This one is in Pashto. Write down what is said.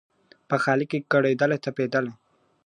په ځالۍ کي کړېدله تپیدله ..